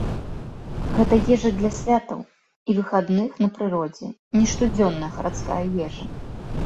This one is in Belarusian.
Гэта ежа для святаў і выхадных на прыродзе, не штодзённая гарадская ежа.